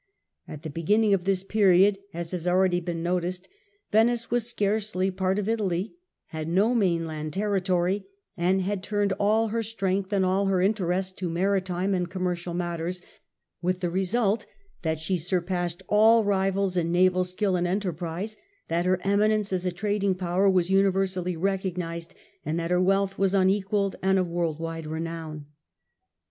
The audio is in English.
At the beginning of this period, as has already been noticed, Venice was scarcely part of Italy, had no mainland territory and had turned all her strength and all her interest to maritime and commercial matters ; with the result that she surpassed all rivals in naval skill and enterprise, that her eminence as a trading power was universally recognised, and that her wealth was un equalled and of world wide renown.